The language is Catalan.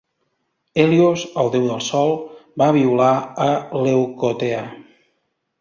Helios, el déu del Sol, va violar a Leucothea.